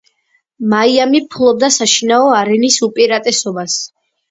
მაიამი ფლობდა საშინაო არენის უპირატესობას.